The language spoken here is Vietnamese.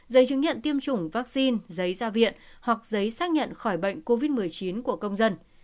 giấy chứng nhận tiêm chủng vaccine giấy ra viện hoặc giấy xác nhận khỏi bệnh covid một mươi chín của công dân